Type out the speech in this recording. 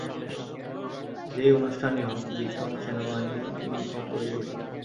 যেই অনুষ্ঠানই হোক, বিক্রম সেনাবাহিনীর ইউনিফর্ম পরেই যেত।